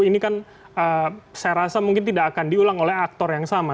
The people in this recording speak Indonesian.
ini kan saya rasa mungkin tidak akan diulang oleh aktor yang sama